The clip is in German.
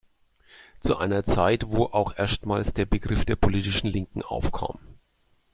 Zu einer Zeit, wo auch erstmals der Begriff der politischen Linken aufkam.